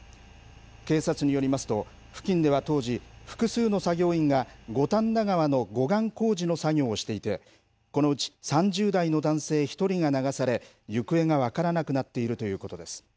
警察によりますと、付近では当時、複数の作業員が、五反田川の護岸工事の作業をしていて、このうち３０代の男性１人が流され、行方が分からなくなっているということです。